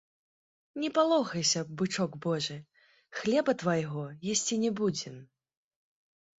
Не палохайся, бычок божы, хлеба твайго есці не будзем.